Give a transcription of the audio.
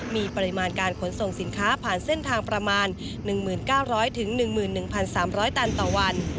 มีปริมาณการขนส่งสินค้าผ่านเส้นทางประมาณ๑๙๐๐๑๑๓๐๐ตันต่อวัน